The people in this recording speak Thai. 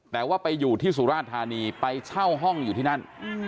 แต่ว่าไปอยู่ที่สุราธานีไปเช่าห้องอยู่ที่นั่น